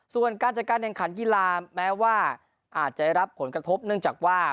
ส่วนการจัดการแข่งขันกีฬาแม้ว่าอาจจะรับผลกระทบเนื่องจากว่า